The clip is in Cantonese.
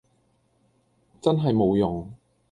真係冇用